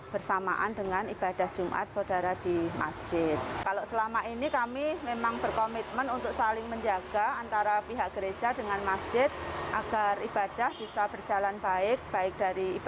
baik dari ibadah di gereja maupun di masjid